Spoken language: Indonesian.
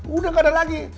udah gak ada lagi